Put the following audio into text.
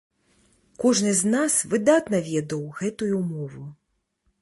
Кожны з нас выдатна ведаў гэтую мову.